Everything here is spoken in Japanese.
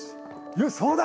よしそうだ！